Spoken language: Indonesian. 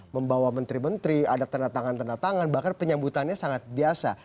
membawa menteri menteri ada tanda tangan tanda tangan bahkan penyambutannya sangat biasa